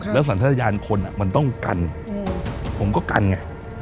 แล้วสัญญาณคนมันต้องกันผมก็กันไง